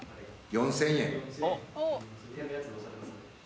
４，０００円。